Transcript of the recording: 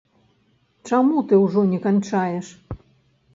Чаму ты ўжо не канчаеш?